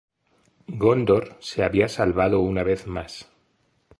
Gondor se había salvado una vez más.